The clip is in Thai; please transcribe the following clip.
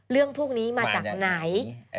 เรื่องพวกนี้มาจากไหน